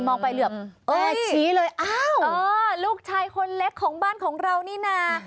มองไปเหลือบชี้เลยอ้าวลูกชายคนเล็กของบ้านของเรานี่นะ